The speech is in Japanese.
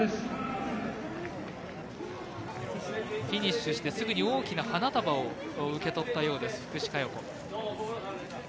フィニッシュしてすぐに大きな花束を受け取った福士加代子。